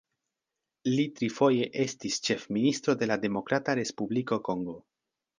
Li trifoje estis ĉefministro de la Demokrata Respubliko Kongo.